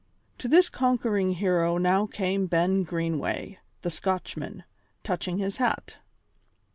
To this conquering hero now came Ben Greenway, the Scotchman, touching his hat.